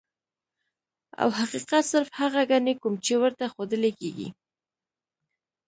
او حقيقت صرف هغه ګڼي کوم چې ورته ښودلے کيږي -